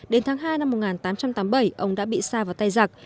đến tháng hai năm một nghìn tám trăm tám mươi bảy ông đã bị xa vào tay giặc